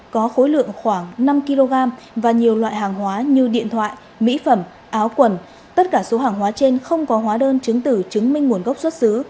có khối lượng khoảng năm kg và nhiều loại hàng hóa như điện thoại mỹ phẩm áo quần tất cả số hàng hóa trên không có hóa đơn chứng tử chứng minh nguồn gốc xuất xứ